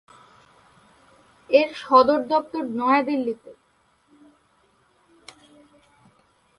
এর সদর দফতর নয়াদিল্লিতে।